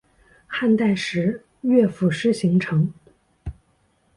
汉代时乐府诗形成。